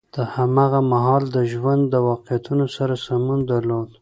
د هماغه مهال د ژوند له واقعیتونو سره سمون درلود.